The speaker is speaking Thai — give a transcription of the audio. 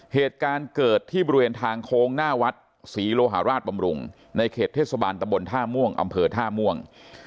เหตุการณ์เกิดที่บริเวณทางโค้งหน้าวัดศรีโลหาราชบำรุงในเขตเทศบาลตะบนท่าม่วงอำเภอท่าม่วง